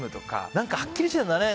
はっきりしてるんだね。